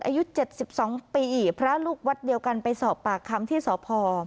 อายุเจ็ดสิบสองปีพระลูกวัดเดียวกันไปสอบปากคำที่สอบพอ